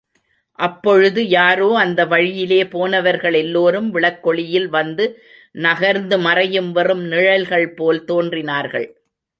அப்பொழுது, யாராரோ அந்த வழியிலே போனவர்கள் எல்லோரும் விளக்கொளியில் வந்து நகர்ந்துமறையும் வெறும் நிழல்கள்போல் தோன்றினார்கள்.